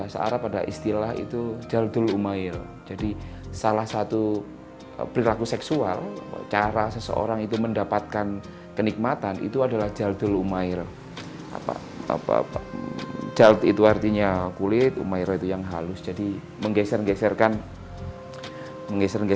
saya langsung menjadi ketakutan saya